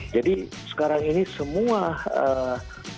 jadi sekarang ini semua disruption sini arahnya adalah menjadi digital matchmaker